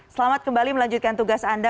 selamat kembali melanjutkan tugas anda